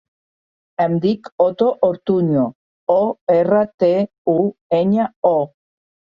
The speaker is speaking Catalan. Em dic Oto Ortuño: o, erra, te, u, enya, o.